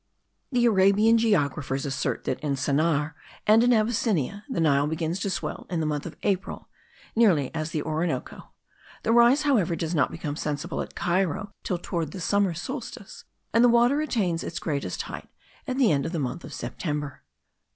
The Arabian geographers assert that in Sennaar and in Abyssinia the Nile begins to swell in the month of April (nearly as the Orinoco); the rise, however, does not become sensible at Cairo till toward the summer solstice; and the water attains its greatest height at the end of the month of September.